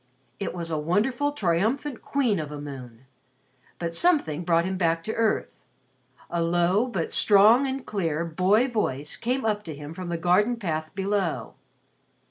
It was a wonderful, triumphant queen of a moon. But something brought him back to earth. A low, but strong and clear, boy voice came up to him from the garden path below.